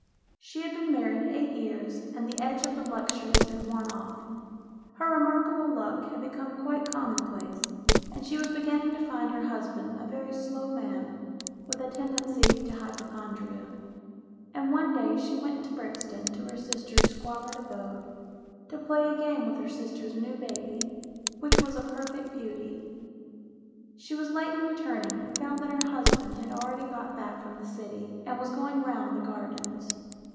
She had been married eight years and the edge of the luxuries had worn off ; her remarkable luck had become quite common place, and she was beginning to find her husband a very slow man with a tendency to hypochondria, and one day she went to Brixton to her sister's squalid abode to play a game with her sister's new baby, which was a perfect beauty. She was late in returning, and found that her husband had already got back from the City and was going round the gardens.